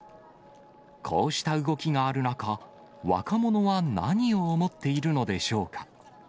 こうした動きがある中、若者は何を思っているのでしょうか。